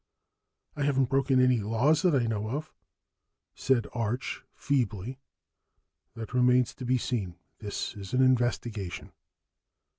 "I haven't broken any laws that I know of," said Arch feebly. "That remains to be seen. This is an investigation."